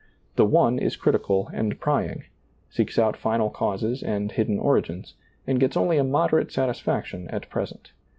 The one is critical and prying, seeks out final causes and hidden origins, and gets only a moderate satisfaction at present.